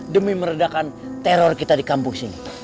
demi meredakan teror kita di kampung sini